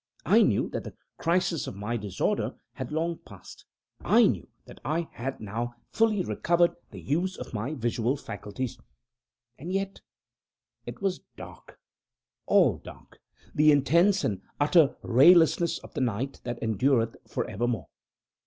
I knew that the crisis of my disorder had long passed. I knew that I had now fully recovered the use of my visual faculties and yet it was dark all dark the intense and utter raylessness of the Night that endureth for evermore.